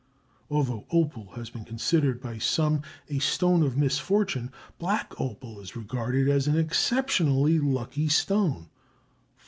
Although opal has been considered by some a stone of misfortune, black opal is regarded as an exceptionally lucky stone.